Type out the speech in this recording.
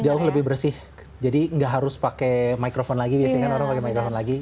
jauh lebih bersih jadi nggak harus pakai microphone lagi biasanya kan orang pakai microphone lagi